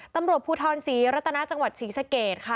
ตำรวจภูทรศรีรัตนาจังหวัดศรีสะเกดค่ะ